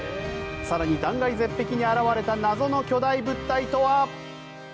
更に、断崖絶壁に現れた謎の巨大物体とは？